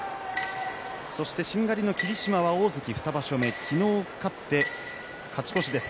そしてしんがりの霧島は大関２場所目、昨日勝って勝ち越しです。